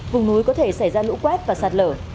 vùng núi có thể xảy ra lũ quét và sạt lở